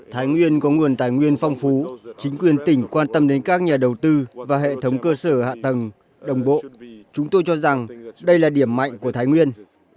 thái nguyên có nguồn tài nguyên phong phú chính quyền tỉnh quan tâm đến các nhà đầu tư và hệ thống cơ sở hạ tầng đồng bộ chúng tôi cho rằng đây là điểm mạnh của thái nguyên